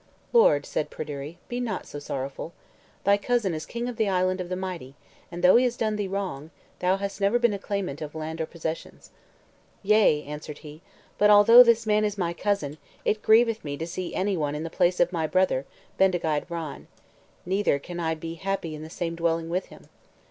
"Lord," said Pryderi, "be not so sorrowful. Thy cousin is king of the Island of the Mighty, and though he has done thee wrong, thou hast never been a claimant of land or possessions." "Yea," answered he, "but although this man is my cousin, it grieveth me to see any one in the place of my brother, Bendigeid Vran; neither can I be happy in the same dwelling with him."